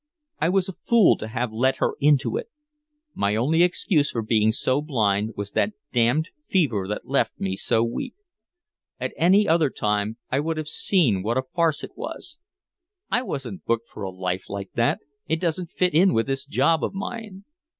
I was a fool to have let her into it. My only excuse for being so blind was that damned fever that left me so weak. At any other time I would have seen what a farce it was. I wasn't booked for a life like that. It doesn't fit in with this job of mine."